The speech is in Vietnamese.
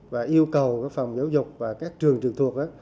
và yêu cầu phòng giáo dục và các trường trực thuộc